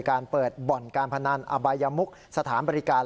การเปิดบ่อนการพนันอบายมุกสถานบริการ